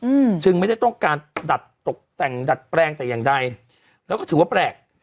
อืมจึงไม่ได้ต้องการดัดตกแต่งดัดแปลงแต่อย่างใดแล้วก็ถือว่าแปลก